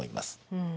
うん。